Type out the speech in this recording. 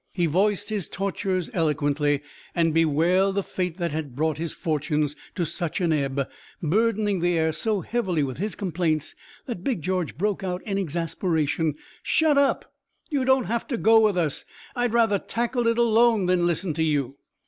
He voiced his tortures eloquently, and bewailed the fate that had brought his fortunes to such an ebb, burdening the air so heavily with his complaints that Big George broke out, in exasperation: "Shut up! You don't have to go with us! I'd rather tackle it alone than listen to you!"